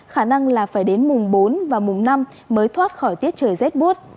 khả năng là phải đến mùng bốn và mùng năm mới thoát khỏi tiết trời rét bút